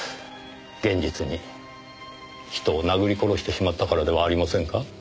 現実に人を殴り殺してしまったからではありませんか？